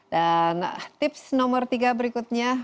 dan tips nomor tiga berikutnya